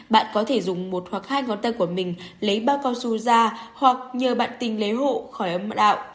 bạn có thể dùng một hoặc hai ngón tay của mình lấy bác con su ra hoặc nhờ bạn tìm lấy hộ khỏi âm đạo